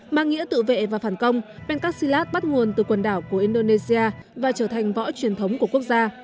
mang nghĩa tự vệ và phản công bencastilat bắt nguồn từ quần đảo của indonesia và trở thành võ truyền thống của quốc gia